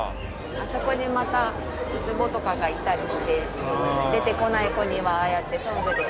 あそこにまたウツボとかがいたりして出てこない子にはああやってトングで。